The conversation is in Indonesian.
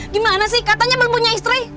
gimana sih katanya belum punya istri